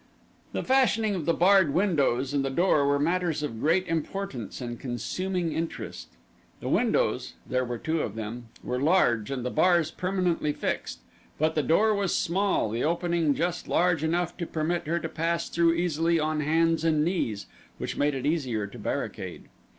The fashioning of the barred windows and the door were matters of great importance and consuming interest. The windows, there were two of them, were large and the bars permanently fixed; but the door was small, the opening just large enough to permit her to pass through easily on hands and knees, which made it easier to barricade.